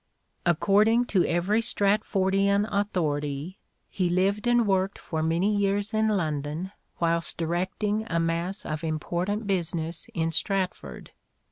According to every Stratfordian authority he lived and worked for many years in London whilst directing a mass of important business in Stratford.